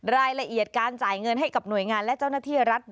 รายละเอียดการจ่ายเงินให้กับหน่วยงานและเจ้าหน้าที่รัฐ